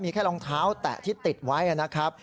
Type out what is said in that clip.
มีแค่รองเท้าแตะที่ติดไว้นะครับ